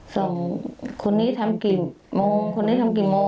ส่งคนนี้ทำกี่โมงคนนี้ทำกี่โมง